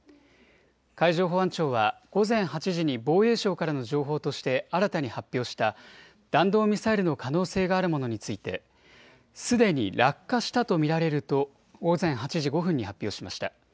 海上保安庁は午前８時に防衛省からの情報として新たに発表した弾道ミサイルの可能性があるものについてすでに落下したと見られると午前８時５分に発表しました。